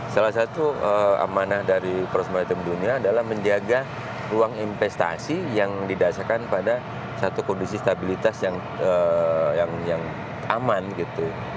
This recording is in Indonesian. salah satu amanah dari proses maritim dunia adalah menjaga ruang investasi yang didasarkan pada satu kondisi stabilitas yang aman gitu